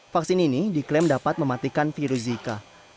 vaksin ini diklaim dapat mematikan virus zika